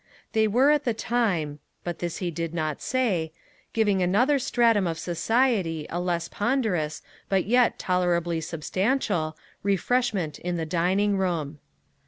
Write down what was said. They were at the time but this he did not say giving another stratum of society a less ponderous, but yet tolerably substantial, refreshment in the dining room.